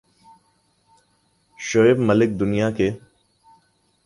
شعیب ملک دنیا کے